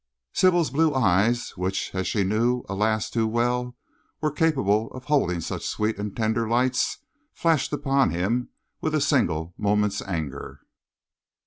Sybil's blue eyes, which, as he knew, alas! too well, were capable of holding such sweet and tender lights, flashed upon him with a single moment's anger.